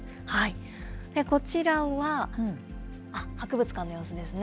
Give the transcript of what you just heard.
こちらは、博物館の様子ですね。